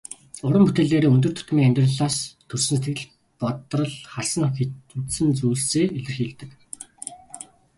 Уран бүтээлээрээ өдөр тутмын амьдралаас төрсөн сэтгэгдэл, бодрол, харсан үзсэн зүйлсээ илэрхийлдэг.